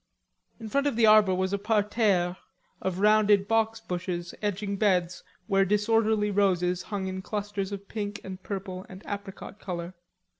In front of the arbor was a parterre of rounded box bushes edging beds where disorderly roses hung in clusters of pink and purple and apricot color.